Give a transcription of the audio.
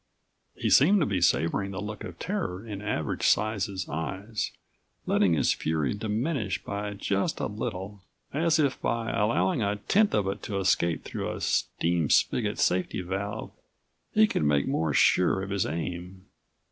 He seemed to be savoring the look of terror in Average Size's eyes, letting his fury diminish by just a little, as if by allowing a tenth of it to escape through a steam spigot safety valve he could make more sure of his aim.